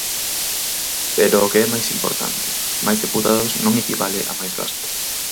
Pero o que é máis importante: Máis deputados non equivale a máis gasto.